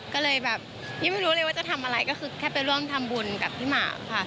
ก็เลยแบบยังไม่รู้เลยว่าจะทำอะไรก็คือแค่ไปร่วมทำบุญกับพี่หมากค่ะ